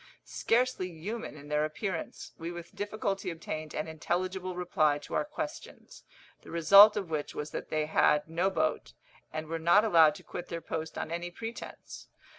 Scarcely human in their appearance, we with difficulty obtained an intelligible reply to our questions, the result of which was that they had no boat, and were not allowed to quit their post on any pretence.